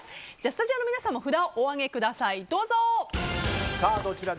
スタジオの皆さんも札をお上げください。